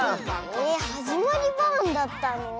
えっ「はじまりバーン」だったの？